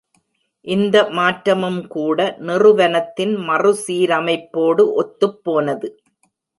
இந்த மாற்றமும் கூட நிறுவனத்தின் மறுசீரமைப்போடு ஒத்துப்போனது.